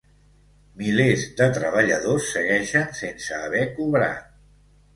Milers de treballadors segueixen sense haver cobrat.